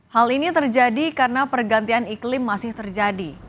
hal ini terjadi karena pergantian iklim masih terjadi